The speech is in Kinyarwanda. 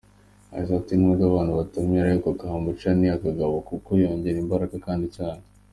Yagize ati “Nubwo abantu batabyemera ariko Kombucha ni akagabo kuko yongera imbaraga kandi cyane.